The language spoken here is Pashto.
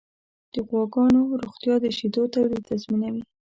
د غواګانو روغتیا د شیدو تولید تضمینوي.